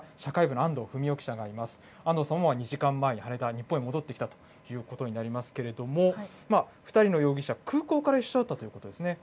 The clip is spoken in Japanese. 安藤さんは２時間前に羽田、日本に戻ってきたということになりますけれども、２人の容疑者、空港から一緒だったということですね。